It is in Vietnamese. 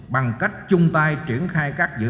bằng cách chung tay triển khai các dự án